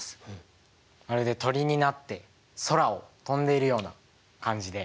まるで鳥になって空を飛んでいるような感じで。